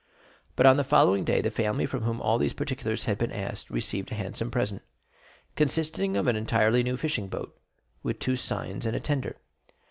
But on the following day the family from whom all these particulars had been asked received a handsome present, consisting of an entirely new fishing boat, with two seines and a tender.